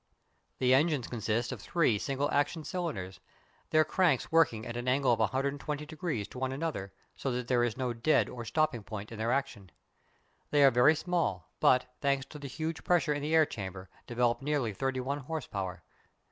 The engines consist of three single action cylinders, their cranks working at an angle of 120° to one another, so that there is no "dead" or stopping point in their action. They are very small, but, thanks to the huge pressure in the air chamber, develop nearly thirty one horse power.